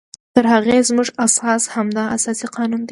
تر هغې زمونږ اساس همدا اساسي قانون دی